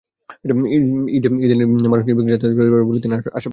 ঈদে মানুষ নির্বিঘ্নে যাতায়াত করতে পারবে বলে তিনি আশা প্রকাশ করেন।